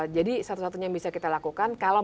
satu satunya yang bisa kita lakukan kalau